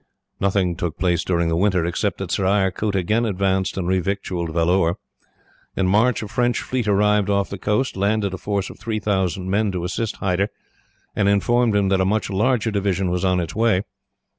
"Nothing took place during the winter, except that Sir Eyre Coote again advanced and revictualled Vellore. In March a French fleet arrived off the coast, landed a force of three thousand men to assist Hyder, and informed him that a much larger division was on its way.